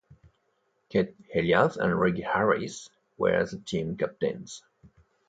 Keith Elias and Reggie Harris were the team captains.